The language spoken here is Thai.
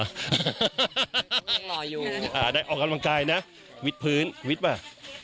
อ่าได้ออกกำลังกายนะวิดพื้นวิดมา